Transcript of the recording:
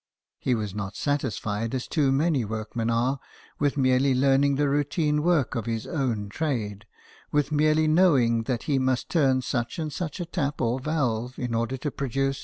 He was not satisfied, as too many workmen are, with merely learning the routine work of his own trade ; with merely knowing that he must turn such and such a tap or valve in order to produce 34 BIOGRAPHIES OF WORKING MEN.